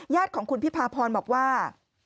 ยาดของคุณพี่พาพรบอกว่า